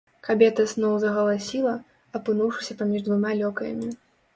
Кабета зноў загаласіла, апынуўшыся паміж двума лёкаямі.